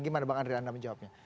gimana bang andri anda menjawabnya